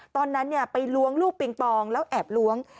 ตอนนั้นไปล้วงลูกปิงปองแล้วแอบล้วง